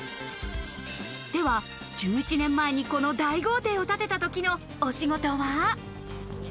では、１１年前にこの大豪邸を建てたときのお仕事は？